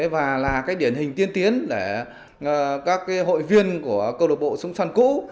và là điển hình tiên tiến để các hội viên của cơ độc bộ súng săn cũ